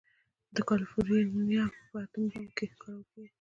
د کالیفورنیم په اټوم بم کې کارول کېږي.